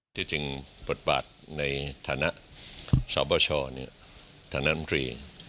ที่จริงปฏิบัติในฐานะสาวบัชชน์นี้ฐานะธรรมทรีย์